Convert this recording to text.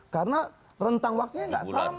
karena rentang waktunya tidak sama